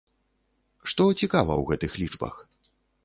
Што цікава ў гэтых лічбах?